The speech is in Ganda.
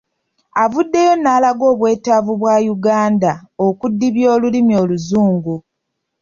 Avuddeyo n’alaga obwetaavu obwa Uganda okudibya olulimi Oluzungu.